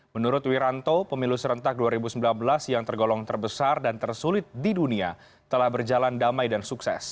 menurut wiranto pemilu serentak dua ribu sembilan belas yang tergolong terbesar dan tersulit di dunia telah berjalan damai dan sukses